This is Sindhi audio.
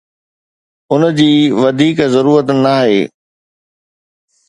ان جي وڌيڪ ضرورت ناهي